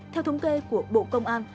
theo thống kê của bộ công an